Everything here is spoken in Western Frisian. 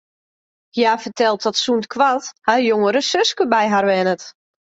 Hja fertelt dat sûnt koart har jongere suske by har wennet.